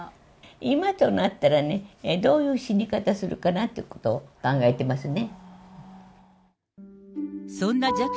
今となったらね、どういう死に方するかなってことを考えてますね。